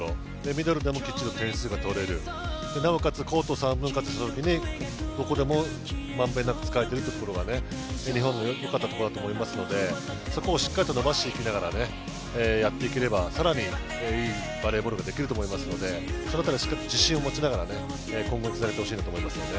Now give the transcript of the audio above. ミドルでもきっちりと点数が取れる、なおかつコート３分割したときにどこでも満遍なく使えているというところが日本の良かったところだと思いますのでそこをしっかりと伸ばしていきながらやっていければ更にいいバレーボールができると思いますので、自信を持ちながら今後につなげてほしいと思います。